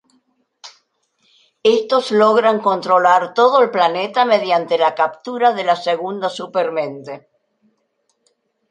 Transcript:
Estos logran controlar todo el planeta mediante la captura de la Segunda Supermente.